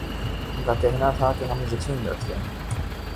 ان کا کہنا تھا کہ ہم یقین رکھتے ہیں